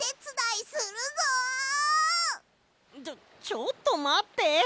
ちょっとまって。